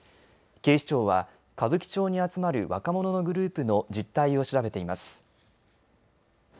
警視庁は歌舞伎町に集まる若者のグループの実態を調べています。